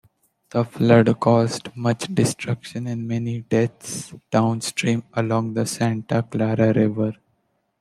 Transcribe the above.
The flood caused much destruction and many deaths downstream along the Santa Clara River.